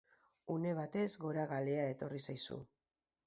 Une batez goragalea etorri zaizu.